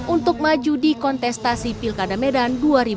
untuk maju di kontestasi pilkada medan dua ribu dua puluh